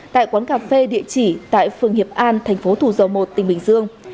tại quán cà phê địa chỉ tại phường hiệp an thành phố thủ dầu một tỉnh bình dương